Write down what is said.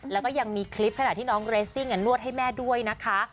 แล้วก็ยังมีคลิปขณะที่น้องเรสซิ่งนวดให้แม่ด้วยนะคะ